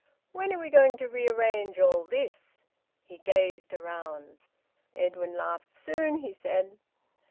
"When are we going to rearrange all this?" He gazed around. Edwin laughed. "Soon," he said.